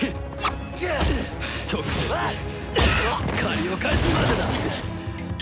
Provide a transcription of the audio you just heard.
直接借りを返すまでだ。